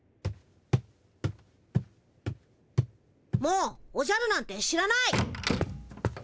もうおじゃるなんて知らない！